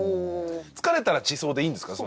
疲れたら地層でいいんですか？